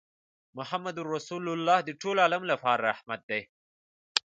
محمدُ رَّسول الله د ټول عالم لپاره رحمت دی